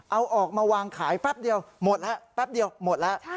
เอาออกมาวางขายแป๊บเดียวหมดแล้วแป๊บเดียวหมดแล้ว